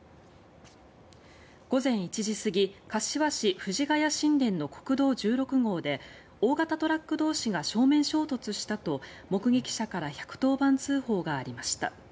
午前１時過ぎ柏市藤ケ谷新田の国道１６号で大型トラック同士が正面衝突したと目撃者から１１０番通報がありました。